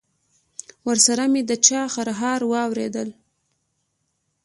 ورسره مې د چا خرهار واورېدل.